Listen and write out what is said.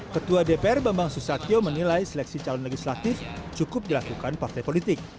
ketua dpr bambang susatyo menilai seleksi calon legislatif cukup dilakukan partai politik